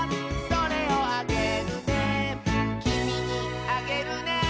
「それをあげるね」